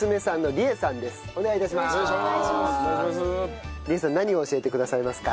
理絵さん何を教えてくださいますか？